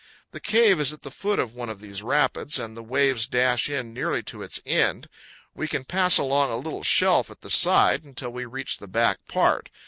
The cave is at the foot of one of these rapids, and the waves dash in nearly to its end. We can pass along a little shelf at the side until we reach the back part.